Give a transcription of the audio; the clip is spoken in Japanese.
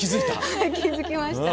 はい気付きました。